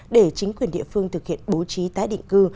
để chính quyền địa phương thực hiện bố trí tái định cư